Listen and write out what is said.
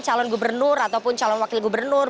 calon gubernur ataupun calon wakil gubernur